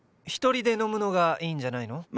一人で飲むのがいいんじゃないの？